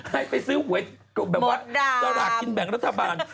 ให้ไปซื้อหวยแบบว่าสลากกินแบ่งรัฐบาล